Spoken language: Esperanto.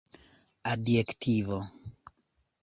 adjektivo